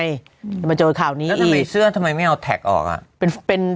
จะมาเจอข่าวนี้แล้วทำไมเสื้อทำไมไม่เอาแท็กออกอ่ะเป็นเป็น